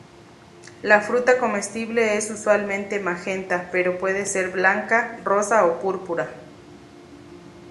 La fruta comestible es usualmente magenta, pero puede ser blanca, rosa o púrpura.